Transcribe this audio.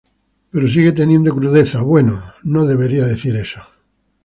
Pero sigue teniendo crudeza... Bueno, no debería decir eso.